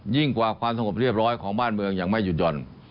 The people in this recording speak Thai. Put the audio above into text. กว่าความสงบเรียบร้อยของบ้านเมืองยังไม่หยุดหย่อน